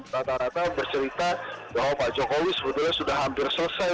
rata rata bercerita bahwa pak jokowi sebetulnya sudah hampir selesai